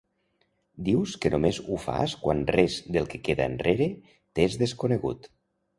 Dius que només ho fas quan res del que queda enrere t'és desconegut.